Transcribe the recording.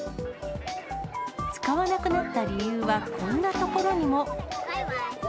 使わなくなった理由は、こんなところにも。